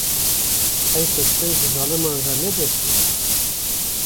Qey kuştin, ji zaliman re ne bes bû